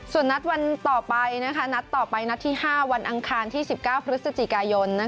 ส่วนนัดวันต่อไปนัดต่อไปนัดที่๕วันอังคารที่๑๙พฤศจิกายน